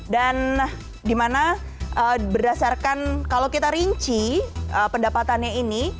dan dimana berdasarkan kalau kita rinci pendapatannya ini